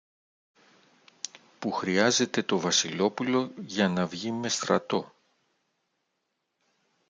που χρειάζεται το Βασιλόπουλο για να βγει με στρατό.